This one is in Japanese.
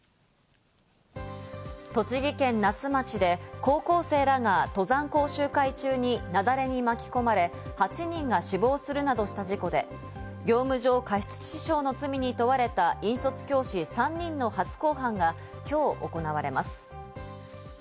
栃木県那須町で高校生らが登山講習会中に雪崩に巻き込まれ、８人が死亡するなどした事故で、業務上過失致死傷の罪に問われた引率教師３人の初公判が今日、行われます。